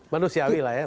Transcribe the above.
manusiawi lah ya